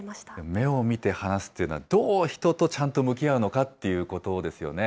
目を見て話すっていうのは、どう人とちゃんと向き合うのかっていうことですよね。